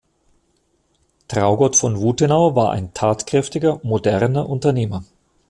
Traugott von Wuthenau war ein tatkräftiger moderner Unternehmer.